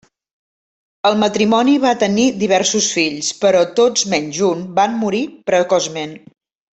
El matrimoni va tenir diversos fills, però tots menys un van morir precoçment.